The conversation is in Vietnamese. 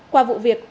qua vụ việc